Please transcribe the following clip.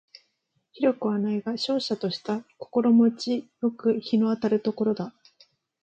広くはないが瀟洒とした心持ち好く日の当たる所だ